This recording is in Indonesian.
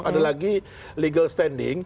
ada lagi legal standing